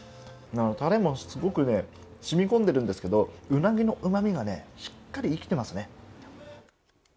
タレもすごくね、染み込んでいるんですけれども、鰻のうまみがね、しっかりと生きていますね。